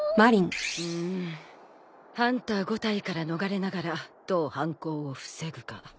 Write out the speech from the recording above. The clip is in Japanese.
うんハンター５体から逃れながらどう犯行を防ぐか。